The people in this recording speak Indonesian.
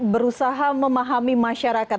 berusaha memahami masyarakat